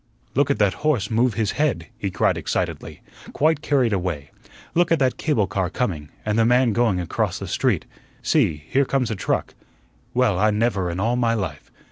"Look at that horse move his head," he cried excitedly, quite carried away. "Look at that cable car coming and the man going across the street. See, here comes a truck. Well, I never in all my life!